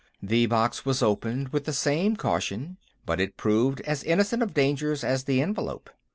The box was opened with the same caution, but it proved as innocent of dangers as the envelope.